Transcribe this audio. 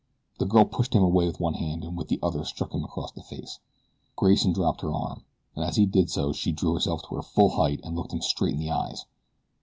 The girl pushed him away with one hand, and with the other struck him across the face. Grayson dropped her arm, and as he did so she drew herself to her full height and looked him straight in the eyes.